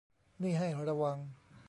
นี่ให้ระวัง